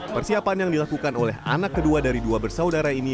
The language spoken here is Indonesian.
persiapan yang dilakukan oleh anak kedua dari dua bersaudara ini